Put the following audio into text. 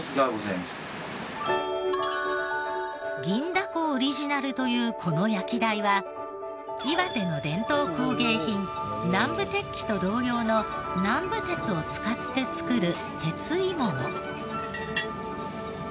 銀だこオリジナルというこの焼台は岩手の伝統工芸品南部鉄器と同様の南部鉄を使って作る鉄鋳物。